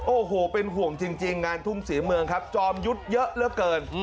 โอ้โหเป็นห่วงจริงงานทุ่มศรีเมืองครับจอมยุทธ์เยอะเหลือเกิน